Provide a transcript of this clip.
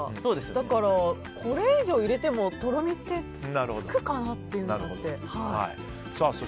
だから、これ以上入れてもとろみってつくかな？っていうのがあって。